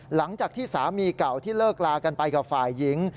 หลังจากที่สามีเก่าที่เลิกลากันไปกับฝ่ายหญิง